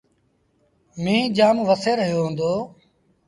ميݩهن جآم وسي رهيو هُݩدو۔